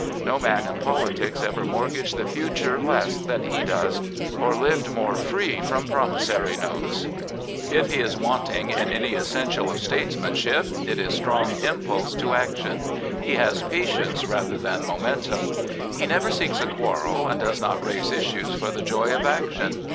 No man in politics ever mortgaged the future less than he does, or lived more free from promissory notes. If he is wanting in any essential of statesmanship, it is strong impulse to action. He has patience rather than momentum. He never seeks a quarrel, and does not raise issues for the joy of action.